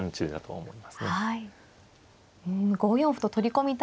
はい。